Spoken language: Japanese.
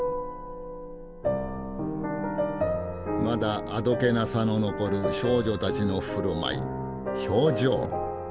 まだあどけなさの残る少女たちの振る舞い表情。